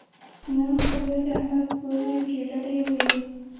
نن خو بیا د احمد پوزې پرې ډډې وې